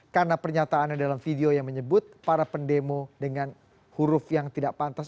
karena pernyataannya dalam video yang menyebut para pendemo dengan huruf yang tidak pantas